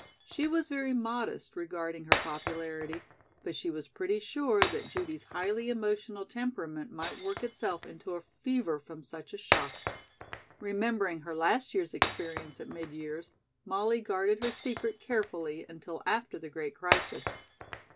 She was very modest regarding her popularity, but she was pretty sure that Judy's highly emotional temperament might work itself into a fever from such a shock. Remembering her last year's experience at mid years, Molly guarded her secret carefully until after the great crisis.